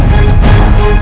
tidak ada kesalahan